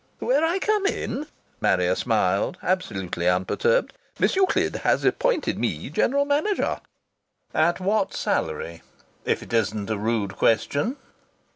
"Where I come in?" Marrier smiled, absolutely unperturbed. "Miss Euclid has appointed me general manajah." "At what salary, if it isn't a rude question?"